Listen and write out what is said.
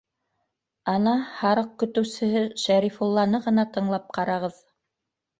Ана һарыҡ көтөүсеһе Шәрифулланы ғына тыңлап ҡарағыҙ.